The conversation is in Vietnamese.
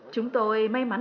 chúng tôi may mắn